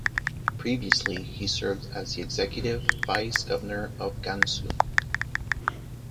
Previously he served as the Executive Vice Governor of Gansu.